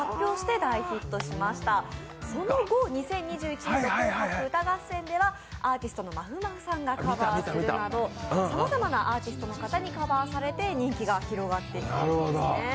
大ヒットしました、その後、２０２１年の「紅白歌合戦」ではアーティストのまふまふさんがカバーするなどさまざまなアーティストの方にカバーされて人気が広がっているんですね。